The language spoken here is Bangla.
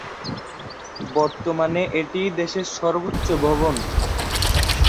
বর্তমানে এটিই দেশের সর্বোচ্চ ভবন।